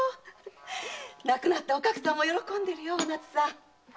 亡くなったおかくさんも喜んでるよお奈津さん。